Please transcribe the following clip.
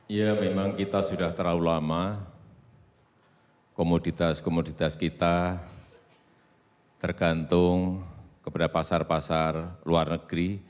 ya memang kita sudah terlalu lama komoditas komoditas kita tergantung kepada pasar pasar luar negeri